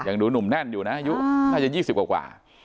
ยังดูหนุ่มแน่นอยู่นะอายุน่าจะยี่สิบกว่า